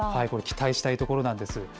これ、期待したいところなんです。